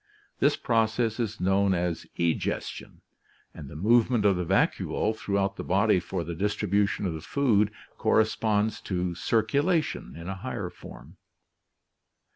This process is known as egestion, and the movement of the vacuole throughout the body for the distribution of the food corresponds to circulation in a higher form.